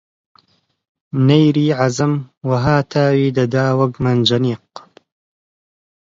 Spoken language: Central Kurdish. نەییری ئەعزەم وەها تاوی دەدا وەک مەنجەنیق